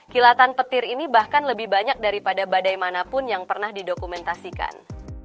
kilatan petir ini bahkan lebih banyak daripada badai manapun yang pernah didokumentasikan